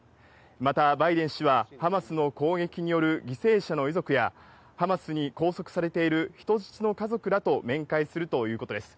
またバイデン氏は、ハマスの攻撃による犠牲者の遺族や、ハマスに拘束されている人質の家族らと面会するということです。